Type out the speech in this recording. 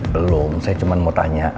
belum saya cuma mau tanya